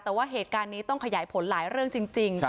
แต่ว่าเหตุการณ์นี้ต้องขยายผลหลายเรื่องจริง